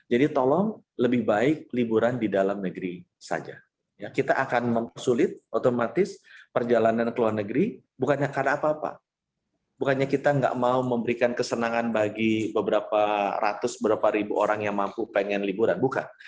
jadi tolong lebih baik liburan di dalam negeri saja kita akan mempersulit otomatis perjalanan ke luar negeri bukannya karena apa apa bukannya kita nggak mau memberikan kesenangan bagi beberapa ratus beberapa ribu orang yang mampu pengen liburan bukan